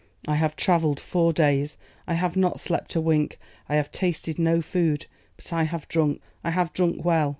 'I have travelled four days, I have not slept a wink, I have tasted no food; but I have drunk, I have drunk well.